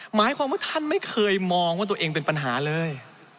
หมายความว่าท่านไม่เคยมองว่าตัวเองเป็นปัญหาเลย